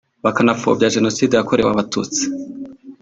bakanapfobya jenoside yakorewe Abatutsi